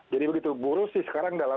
jadi begitu buruh sih sekarang dalam